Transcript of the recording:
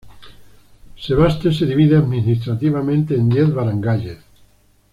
Sebaste se divide administrativamente en diez barangayes.